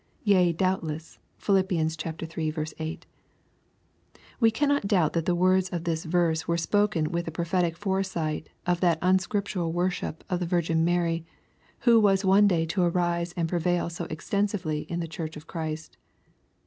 Yea, doubtless.* (PhiL iii. a) We cannot doubt that the words of this verse were spoken with a prophetic foresight of that unscriptural worship of the Yirgin Mary, which was one day to arise and prevail so exten sively in the Church of Christ.